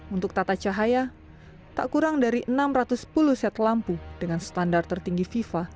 untuk tata cahaya tak kurang dari enam ratus sepuluh set lampu dengan standar tertinggi fifa